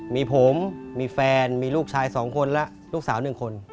มีผมมีแฟนมีลูกชาย๒คนและลูกสาว๑คน